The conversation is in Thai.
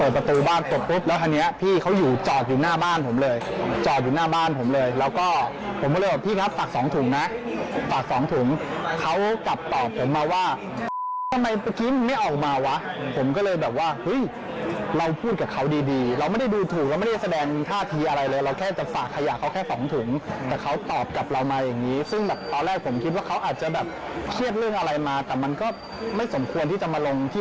เปิดประตูบ้านกดปุ๊บแล้วทันเนี้ยพี่เขาอยู่จอดอยู่หน้าบ้านผมเลยจอดอยู่หน้าบ้านผมเลยแล้วก็ผมก็เรียกว่าพี่ครับสักสองถุงนะสักสองถุงเขากลับตอบผมมาว่าไม่ออกมาวะผมก็เลยแบบว่าเฮ้ยเราพูดกับเขาดีดีเราไม่ได้ดูถูกเราไม่ได้แสดงท่าทีอะไรเลยเราแค่จะสระขยะเขาแค่สองถุงแต่เขาตอบกับเรามาอย่างงี้ซึ่งแบบตอนแรกผมคิดว่